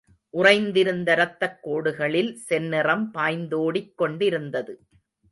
உறைந்திருந்த ரத்தக் கோடுகளில் செந்நிறம் பாய்ந்தோடிக் கொண்டிருந்தது.